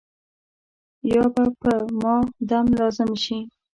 یا به په ما دم لازم شي.